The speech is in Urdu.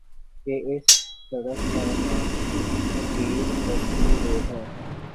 کہ اِس سڑک کا نام فقیر ایپی روڈ ہے